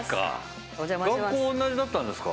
学校おんなじだったんですか。